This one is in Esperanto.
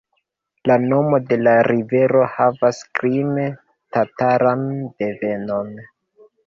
La nomo de la rivero havas krime-tataran devenon.